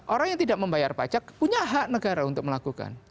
orang yang tidak membayar pajak punya hak negara untuk melakukan